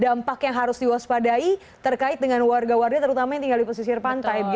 dampak yang harus diwaspadai terkait dengan warga warga terutama yang tinggal di pesisir pantai